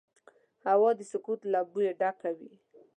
هوا د سکوت له بوی ډکه وي